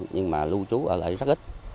nhưng mà lưu trú ở lại rất ít